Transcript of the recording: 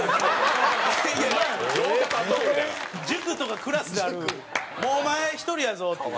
塾とかクラスである「もうお前１人やぞ」っていう。